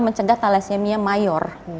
mencegah tala semia mayor